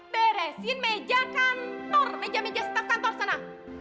beresin meja kantor meja meja staf kantor sana